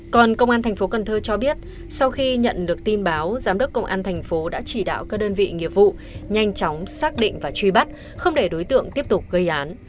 còn công an thành phố cần thơ cho biết sau khi nhận được tin báo giám đốc công an thành phố đã chỉ đạo các đơn vị nghiệp vụ nhanh chóng xác định và truy bắt không để đối tượng tiếp tục gây án